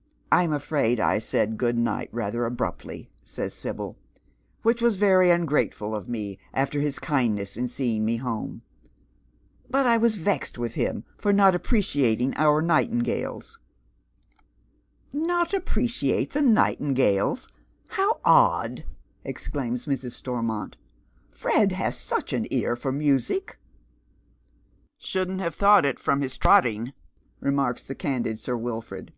" I'm afraid I said good night rather abruptly," says Sibyl, " which was very ungrateful of me after his kindness in seeing me home. But I was vexed with liim for not appreciating oui nightingales." $10 Dead MerCs Shoes. " Not appreciate the nightingales ! Hoa?,. ^.k1 !" exclaime Mrs. Stormont. " Fred has such an ear for music." " Shouldn't have thought it from his tiotting," remarks the candid Sir Wilford.